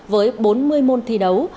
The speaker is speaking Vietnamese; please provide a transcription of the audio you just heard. với bốn mươi môn thi đấu